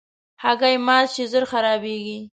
هګۍ مات شي، ژر خرابیږي.